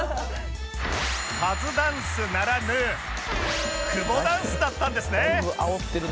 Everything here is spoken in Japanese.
カズダンスならぬクボダンスだったんですね